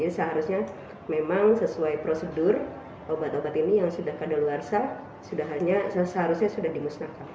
jadi seharusnya memang sesuai prosedur obat obat ini yang sudah keadaan luarsa seharusnya sudah dimusnahkan